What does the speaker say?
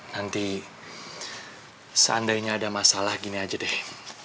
nanti seandainya ada masalah gini aja deh